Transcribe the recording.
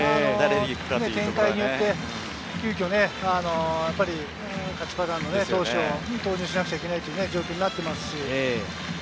展開によって急遽勝ちパターンの投手を投入しなきゃいけないとなっていますし。